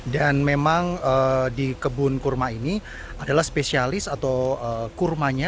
dan memang di kebun kurma ini adalah spesialis atau kurmanya